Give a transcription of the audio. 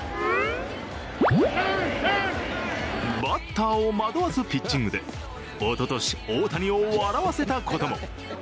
バッターを惑わすピッチングでおととし、大谷を笑わせたことも。